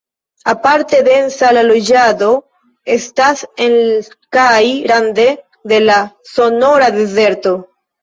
Aparte densa la loĝado estas en kaj rande de la Sonora-dezerto.